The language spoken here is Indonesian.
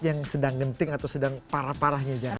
yang sedang genting atau sedang parah parahnya